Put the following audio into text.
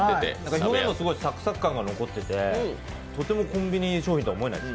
表面のサクサク感が残ってて、とてもコンビニ商品とは思えないです。